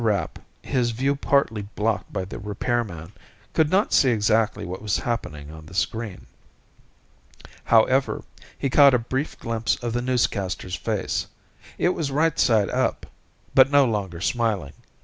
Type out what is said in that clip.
Rapp, his view partly blocked by the repairman, could not see exactly what was happening on the screen. However, he caught a brief glimpse of the newscaster's face. It was right side up, but no longer smiling.